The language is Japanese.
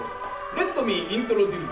レットミーイントロデュース。